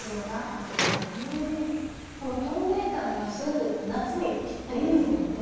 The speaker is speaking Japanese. この透明感がすごく夏にぴったりですよね。